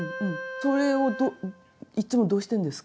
それをどういっつもどうしてるんですか？